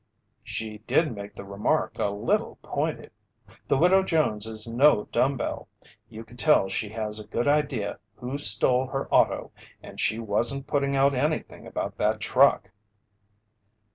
"She did make the remark a little pointed. The Widow Jones is no dumbbell! You could tell she has a good idea who stole her auto, and she wasn't putting out anything about that truck."